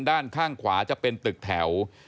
ด้านข้างขวาจะเป็นตึกแถว